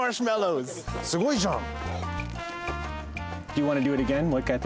すごいじゃん！